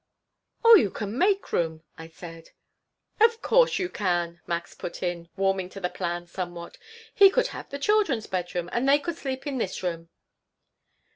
"Oh, you can make room," I said. "Of course you can," Max put in, warming to the plan somewhat. "He could have the children's bedroom, and they could sleep in this room."